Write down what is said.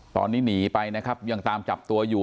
ตอนนี้หนีไปยังตามจับตัวอยู่